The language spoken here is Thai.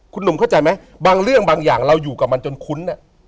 คุณหนุ่มเข้าใจไหมบางเรื่องบางอย่างเราอยู่กับมันจนคุ้น